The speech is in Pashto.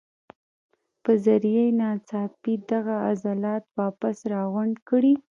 پۀ ذريعه ناڅاپي دغه عضلات واپس راغونډ کړي